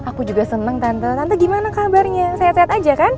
aku juga senang tante tante gimana kabarnya sehat sehat aja kan